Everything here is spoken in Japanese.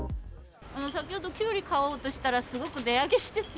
先ほど、きゅうり買おうとしたら、すごく値上げしてて。